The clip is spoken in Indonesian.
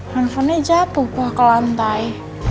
handphonenya jatuh pa ke lantai